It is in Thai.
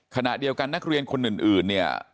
ขณะเดียวกันนักเรียนคนอื่นเนี่ย